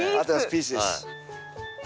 ピースです。